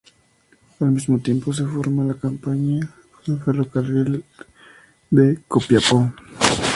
Al mismo tiempo se forma la Compañía del Ferrocarril de Copiapó.